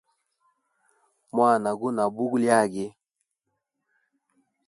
Mwana guna bugo lyage.